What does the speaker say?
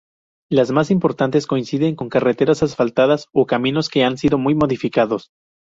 Las más importantes coinciden con carreteras asfaltadas o caminos que han sido muy modificados.